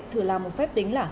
thử làm một phép tính là